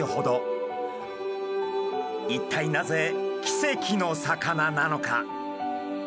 一体なぜ奇跡の魚なのか？